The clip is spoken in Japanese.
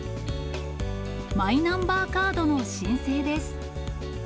マイナンバーカードの申請です。